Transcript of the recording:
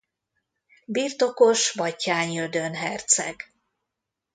Birtokos Batthyány Ödön herczeg.